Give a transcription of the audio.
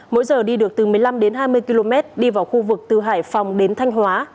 mỗi giờ đi được từ một mươi năm đến hai mươi km đi vào khu vực từ hải phòng đến thanh hóa